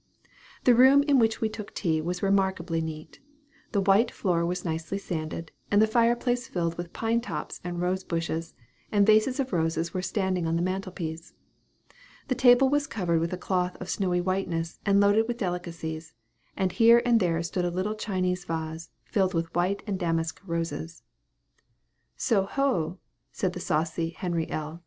The room in which we took tea was remarkably neat. The white floor was nicely sanded, and the fire place filled with pine tops and rose bushes; and vases of roses were standing on the mantel piece. The table was covered with a cloth of snowy whiteness, and loaded with delicacies; and here and there stood a little China vase, filled with white and damask roses. "So ho!" said the saucy Henry L.